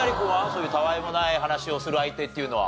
そういうたわいもない話をする相手っていうのは。